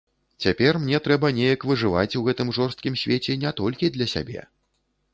Цяпер мне трэба неяк выжываць у гэтым жорсткім свеце не толькі для сябе.